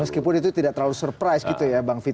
meskipun itu tidak terlalu surprise gitu ya bang vito